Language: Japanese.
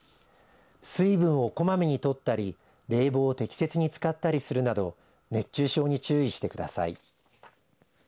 水分をこまめに取ったり冷房を適切に使ったりするなど熱中症に注意してください。